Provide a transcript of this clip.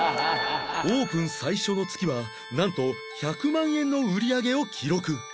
オープン最初の月はなんと１００万円の売り上げを記録